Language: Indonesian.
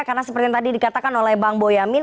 karena seperti yang tadi dikatakan oleh bang boyamin